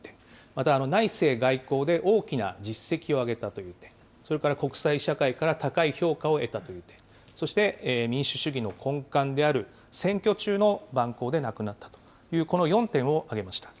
また内政・外交で大きな実績をあげたという点、それから国際社会から高い評価を得たという点、そして民主主義の根幹である選挙中の蛮行で亡くなったという、この４点を挙げました。